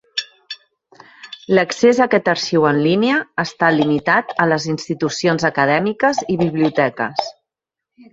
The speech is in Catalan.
L'accés a aquest arxiu en línia està limitat a les institucions acadèmiques i biblioteques.